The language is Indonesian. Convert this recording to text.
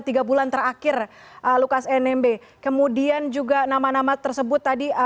tiga bulan terakhir lukas nmb kemudian juga nama nama tersebut tadi